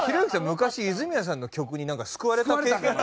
昔泉谷さんの曲に救われた経験。